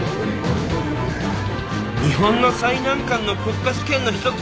「日本の最難関の国家試験の一つ」